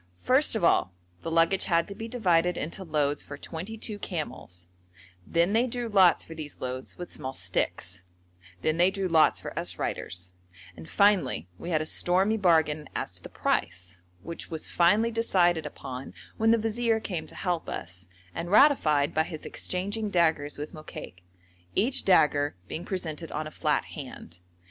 First of all the luggage had to be divided into loads for twenty two camels, then they drew lots for these loads with small sticks, then they drew lots for us riders, and finally we had a stormy bargain as to the price, which was finally decided upon when the vizier came to help us, and ratified by his exchanging daggers with Mokaik, each dagger being presented on a flat hand.